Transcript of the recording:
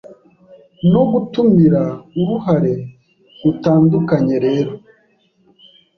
no gutumira uruhare rutandukanyeRero